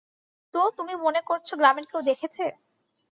তো, তুমি মনে করছো গ্রামের কেও দেখেছে?